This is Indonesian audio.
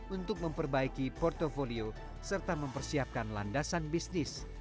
untuk memperbaiki portfolio serta mempersiapkan landasan bisnis